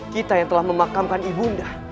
kita yang telah memakamkan ibunda